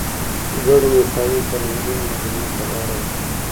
ګڼو مفاهیمو فرهنګي منظومې ته لاره وکړه